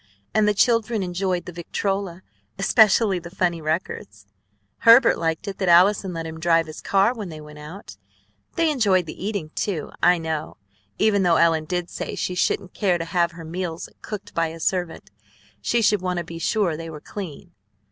And the children enjoyed the victrola, especially the funny records. Herbert liked it that Allison let him drive his car when they went out. They enjoyed the eating, too, I know, even though Ellen did say she shouldn't care to have her meals cooked by a servant; she should want to be sure they were clean."